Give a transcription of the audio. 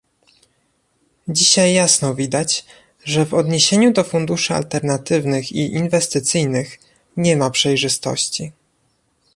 Dzisiaj jasno widać, że w odniesieniu do funduszy alternatywnych i inwestycyjnych, nie ma przejrzystości